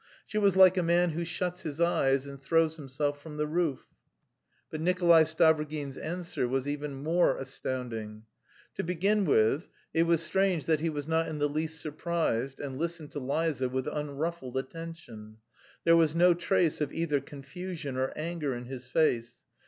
She was like a man who shuts his eyes and throws himself from the roof. But Nikolay Stavrogin's answer was even more astounding. To begin with, it was strange that he was not in the least surprised and listened to Liza with unruffled attention. There was no trace of either confusion or anger in his face.